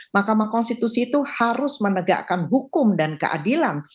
mahkamah konstitusi itu harus menegakkan hukum dan keadilan